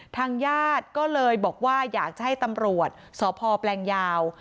ทางญาติก็เลยบอกว่าอยากจะให้ตำรวจสพแปลงยาว